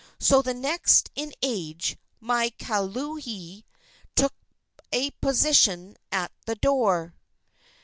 So the next in age, Maile kaluhea, took a position by the door.